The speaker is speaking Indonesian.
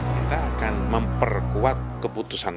kita akan memperkuat keputusan